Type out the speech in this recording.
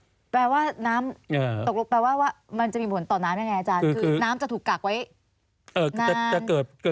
แปลว่าน้ำตกลงแปลว่ามันจะมีผลต่อน้ำยังไงอาจารย์คือน้ำจะถูกกักไว้